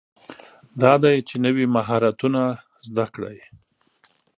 دا دی چې نوي مهارتونه زده کړئ.